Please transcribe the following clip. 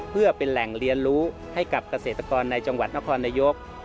เพื่อเป็นแหล่งเรียนรู้ให้กับเกษตรกรในจังหวัดนครนายก